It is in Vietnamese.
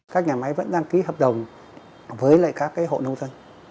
các nhà máy vẫn đang ký hợp đồng với lại các hộ nông dân